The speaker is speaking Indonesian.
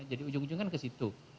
jadi ujung ujungnya kan ke situ